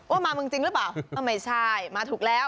มาเมืองจริงหรือเปล่าก็ไม่ใช่มาถูกแล้ว